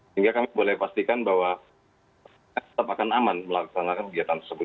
sehingga kami boleh pastikan bahwa tetap akan aman melaksanakan kegiatan tersebut